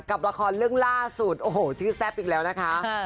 กับละครเรื่องล่าสุดโอ้โหชื่อแซ่บอีกแล้วนะคะ